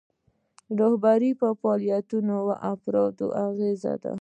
رهبري په فعالیتونو د افرادو اغیزه ده.